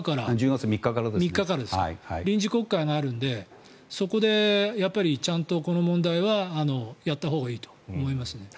１０月３日から臨時国会があるのでそこで、ちゃんとこの問題はやったほうがいいと思います。